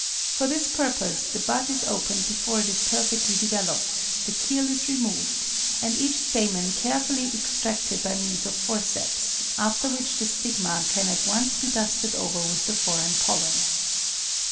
For this purpose the bud is opened before it is perfectly developed, the keel is removed, and each stamen carefully extracted by means of forceps, after which the stigma can at once be dusted over with the foreign pollen.